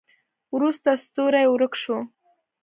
وروسته ستوری ورک شو.